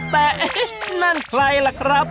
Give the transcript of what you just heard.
แต่นั่งใครล่ะครับ